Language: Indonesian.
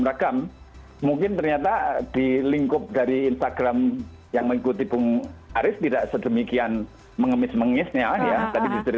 acular olurang beser